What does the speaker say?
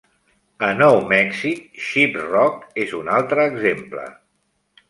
A Nou Mèxic, Shiprock és un altre exemple.